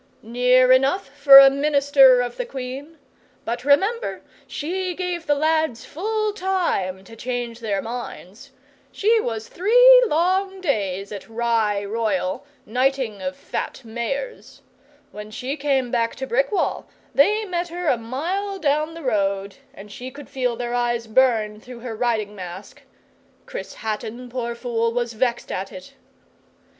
'Near enough for a Minister of the Queen. But remember she gave the lads full time to change their minds. She was three long days at Rye Royal knighting of fat Mayors. When she came back to Brickwall, they met her a mile down the road, and she could feel their eyes burn through her riding mask. Chris Hatton, poor fool, was vexed at it.